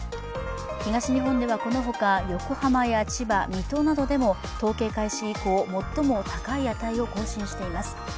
東日本ではこのほか、横浜や千葉、水戸などでも統計開始以降、最も高い値を更新しています。